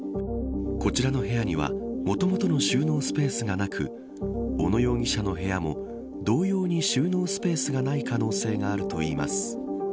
こちらの部屋にはもともとの収納スペースがなく小野容疑者の部屋も同様に収納スペースがない可能性があるといいます。